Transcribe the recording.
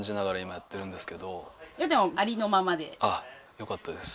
よかったです。